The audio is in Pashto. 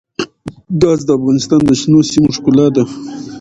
ګاز د افغانستان د شنو سیمو ښکلا ده.